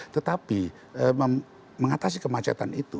tetapi mengatasi kemacetan itu